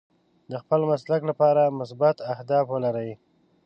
د خپل مسلک لپاره مثبت اهداف ولرئ.